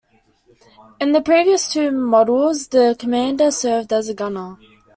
In the previous two models, the commander served as a gunner.